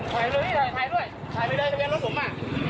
ไหลด้วยไหลด้วยไหลไปเลยระเบียนรถผมอ่ะ